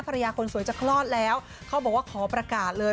ภรรยาคนสวยจะคลอดแล้วเขาบอกว่าขอประกาศเลย